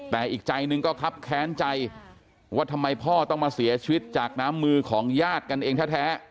แต่อีกใจหนึ่งก็ครับแค้นใจว่าทำไมพ่อต้องมาเสียชีวิตจากน้ำมือของญาติกันเองแท้